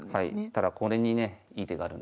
ただこれにねいい手があるんで。